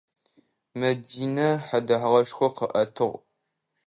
Мэдинэ хьэдэгъэшхор къыӏэтыгъ.